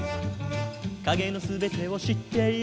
「影の全てを知っている」